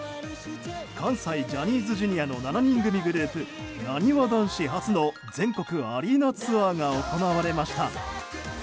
関西ジャニーズＪｒ．の７人組グループなにわ男子初の全国アリーナツアーが行われました。